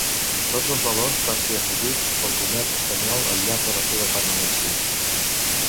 Tots els valors van ser afegits pel comerç espanyol al llarg de la seva permanència.